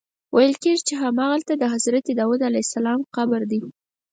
ویل کېږي همغلته د حضرت داود علیه السلام قبر دی.